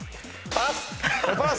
パス。